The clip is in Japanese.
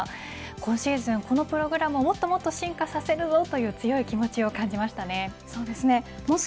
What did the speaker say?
今シーズン、このプログラムをもっともっと進化させるぞという強い気持ちを感じましたね。